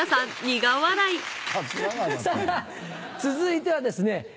さぁ続いてはですね